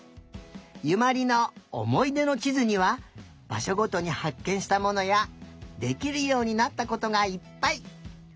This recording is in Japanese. ゆまりのおもいでのちずにはばしょごとにはっけんしたものやできるようになったことがいっぱい。